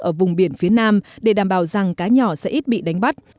ở vùng biển phía nam để đảm bảo rằng cá nhỏ sẽ ít bị đánh bắt